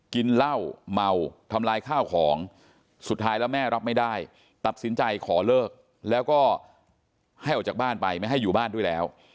กินเหล้าเมาทำลายข้าวของสุดท้ายแล้วแม่รับไม่ได้ตัดสินใจขอเลิกแล้วก็ให้ออกจากบ้านไปไม่ให้อยู่บ้านด้วยแล้ว